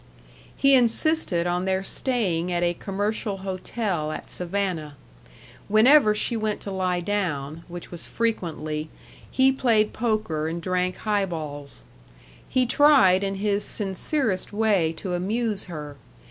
He insisted on their staying at a commercial hotel at Savannah. Whenever she went to lie down, which was frequently, he played poker and drank highballs. He tried in his sincerest way to amuse her.